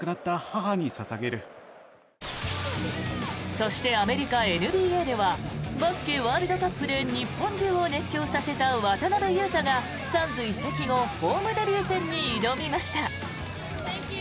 そして、アメリカＮＢＡではバスケワールドカップで日本中を熱狂させた渡邊雄太がサンズ移籍後ホームデビュー戦に挑みました。